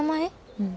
うん。